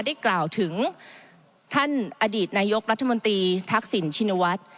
ได้กล่าวถึงท่านอดีตนายกรัฐมนตรีทักษิณชินวัฒน์